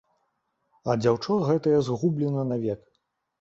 А дзяўчо гэтае згублена навек.